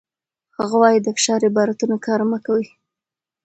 هغه وايي، د فشار عبارتونه کار مه کوئ.